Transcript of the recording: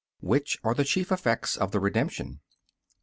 Which are the chief effects of the Redemption?